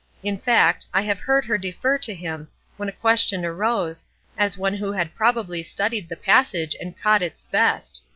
In fact, I have heard her defer to him, when a question arose, as one who had probably studied the passage, and caught its best.